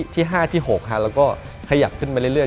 ที่๕ที่๖แล้วก็ขยับขึ้นมาเรื่อย